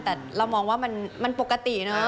แต่เรามองว่ามันปกติเนอะ